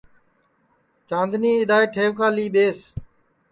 چاندنی اِدؔائے ٹھئوکا لی ٻیس